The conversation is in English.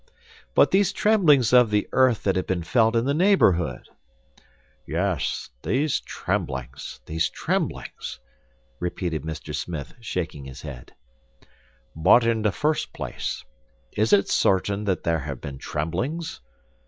"But these tremblings of the earth that have been felt in the neighborhood!" "Yes these tremblings! These tremblings!" repeated Mr. Smith, shaking his head; "but in the first place, is it certain that there have been tremblings?